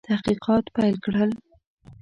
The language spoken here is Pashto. تحقیقات پیل کړل.